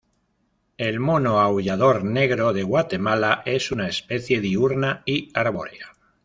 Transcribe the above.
El mono aullador negro de Guatemala es una especie diurna y arbórea.